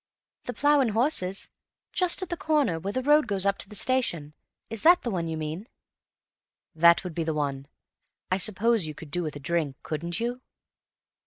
"The 'Plough and Horses'—just at the corner where the road goes up to the station—is that the one you mean?" "That would be the one. I suppose you could do with a drink, couldn't you?"